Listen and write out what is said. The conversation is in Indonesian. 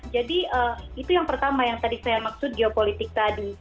jadi itu yang pertama yang tadi saya maksud geopolitik tadi